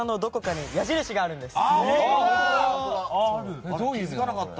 正解は、体のどこかに矢印があるんです。